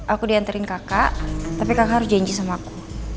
aku diantarin kakak tapi kakak harus janji sama aku